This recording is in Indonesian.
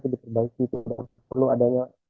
diperbaiki itu perlu adanya